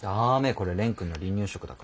これ蓮くんの離乳食だから。